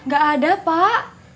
gak ada pak